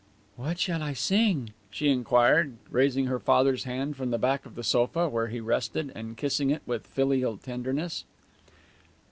"What shall I sing?" she inquired, raising her father's hand from the back of the sofa where he rested and kissing it with filial tenderness.